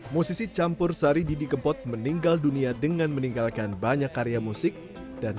musisi campur sari didi kempot meninggal dunia dengan meninggalkan banyak karya musik dan